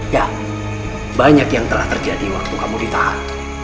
dah banyak yang telah terjadi waktu kamu ditahan